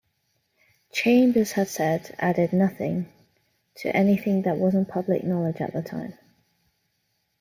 Chambers had said added nothing to anything that wasn't public knowledge at the time.